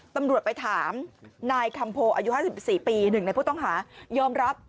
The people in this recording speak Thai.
ตำรวจไปถามนายคำโพอายุ๕๔ปี๑ในผู้ต้องหายอมรับ